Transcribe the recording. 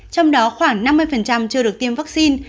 trong đó khoảng năm mươi chưa được tiêm vaccine